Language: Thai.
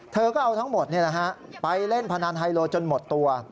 เธอก็เอาทั้งหมดไปเล่นพนันไฮโลจนหมดตัว